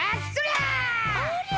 ありゃ！